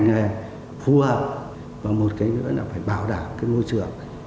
các ngành này phù hợp và một cái nữa là phải bảo đảm cái môi trường